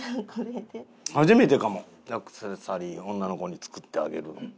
初めてかもアクセサリー女の子に作ってあげるの。